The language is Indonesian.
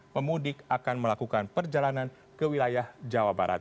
pemudik akan melakukan perjalanan ke wilayah jawa barat